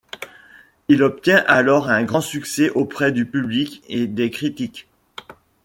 Il obtient alors un grand succès auprès du public et des critiques.